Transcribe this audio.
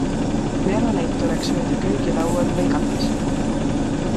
Meloneid tuleks hoida köögilaual-või kapis.